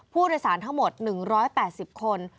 ผู้โดยสารทั้งหมด๑๘๐คน